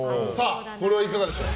これはいかがでしょう。